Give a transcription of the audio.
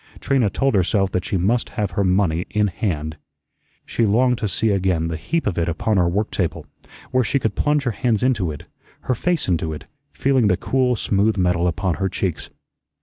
Trina told herself that she must have her money in hand. She longed to see again the heap of it upon her work table, where she could plunge her hands into it, her face into it, feeling the cool, smooth metal upon her cheeks.